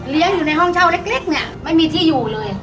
เลี้ยงอยู่ในห้องเช่าเล็กเล็กเนี้ยไม่มีที่อยู่เลย